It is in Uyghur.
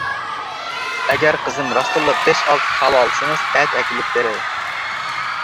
ئەگەر قىزىم راستلا بەش-ئالتە كاۋا ئالسىڭىز ئەتە ئەكېلىپ بېرەي.